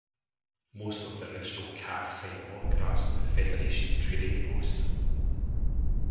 Most of the original cast signed autographs at the Federation Trading Post.